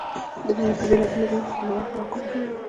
د نړۍ په بېلابېلو ځایونو کې خوندور خوراکونه جوړېږي.